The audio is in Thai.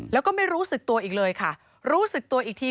แล้วก็ไม่รู้สึกตัวอีกเลยค่ะรู้สึกตัวอีกที